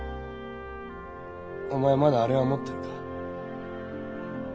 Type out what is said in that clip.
お前まだあれは持ってるか？